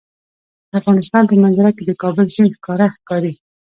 د افغانستان په منظره کې د کابل سیند ښکاره ښکاري.